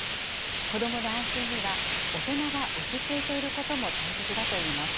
子どもの安心には、大人が落ち着いていることも大切だといいます。